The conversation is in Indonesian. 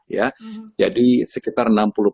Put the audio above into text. ya jadi sekitar